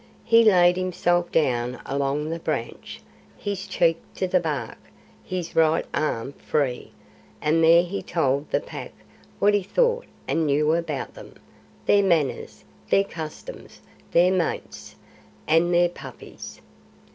He laid himself down along the branch, his cheek to the bark, his right arm free, and there he told the Pack what he thought and knew about them, their manners, their customs, their mates, and their puppies.